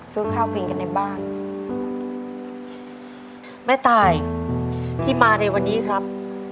ซื้อข้าวกินกันในบ้านแม่ตายที่มาในวันนี้ครับ